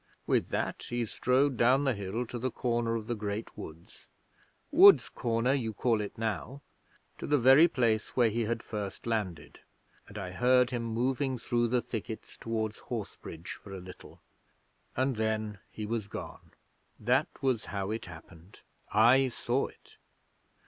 'With that he strode down the hill to the corner of the Great Woods Woods Corner, you call it now to the very place where he had first landed and I heard him moving through the thickets towards Horsebridge for a little, and then he was gone. That was how it happened. I saw it.'